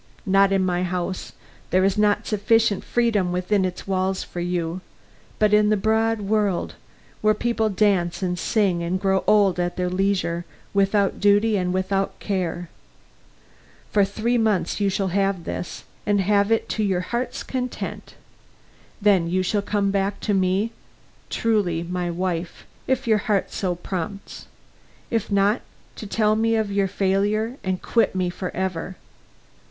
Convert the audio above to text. Not in my house; there is not sufficient freedom within its walls for you; but in the broad world, where people dance and sing and grow old at their leisure, without duty and without care. For three months you shall have this, and have it to your heart's content. Then you shall come back to me my true wife, if your heart so prompts; if not, to tell me of your failure and quit me for ever.